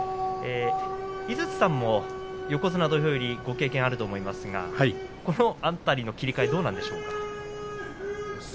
井筒さんも横綱土俵入りご経験あると思いますがこの辺りの切り替えはどうなんでしょう。